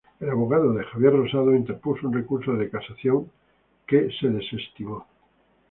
El abogado de Javier Rosado interpuso un recurso de casación que fue desestimado.